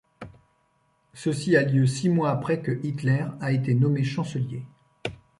Ceci a lieu six mois après que Hitler a été nommé chancelier.